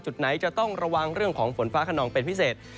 จุดไหนจะต้องระวังเรื่องของฝนฟ้าขนองเป็นพิเศษ